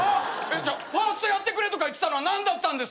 ファーストやってくれとか言ってたのは何だったんですか。